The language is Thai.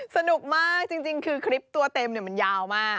สนุกมากจริงคือคลิปตัวเต็มมันยาวมาก